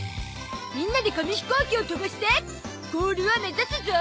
みんなで紙飛行機を飛ばしてゴールを目指すゾ。